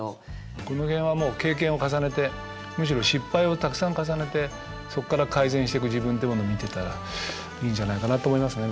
この辺はもう経験を重ねてむしろ失敗をたくさん重ねてそこから改善していく自分ってものを見ていったらいいんじゃないかなと思いますね。